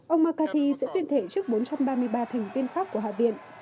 ông mccarthy sẽ tuyên thể trước bốn trăm ba mươi ba thành viên khác của hạ viện